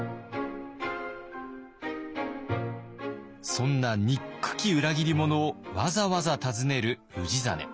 そんな憎き裏切り者をわざわざ訪ねる氏真。